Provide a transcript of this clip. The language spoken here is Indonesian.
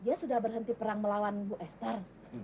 dia sudah berhenti perang melawan bu esther